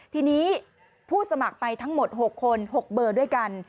ทีนี้ผู้สมัครไปทั้งหมด๖คน๖เบอร์ด้วยกัน